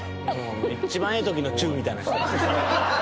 「一番ええときのチューみたいな」